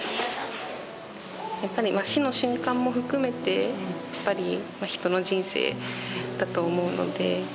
やっぱりまあ死の瞬間も含めてやっぱり人の人生だと思うので。